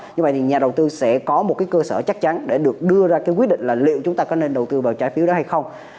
như vậy thì nhà đầu tư sẽ có một cái cơ sở chắc chắn để được đưa ra cái quyết định là liệu chúng ta có nên đầu tư vào trái phiếu đó hay không